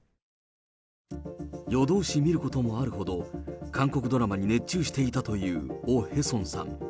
夜通し見ることもあるほど、韓国ドラマに熱中していたというオ・ヘソンさん。